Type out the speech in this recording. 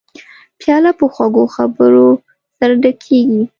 پیاله په خوږو خبرو سره ډکېږي.